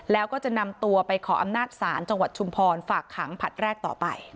แล้วก็จะนำตัวไปขออำนาจศาลจังหวัดชุมพรฝากขังผลัดแรกต่อไป